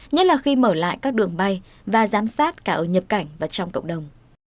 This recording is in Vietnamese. nhất là khi mở lại các đường bay và giám sát cả ở nhập cảnh và trong cộng đồng